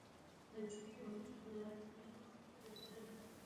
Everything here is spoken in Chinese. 本区有立泽新市镇。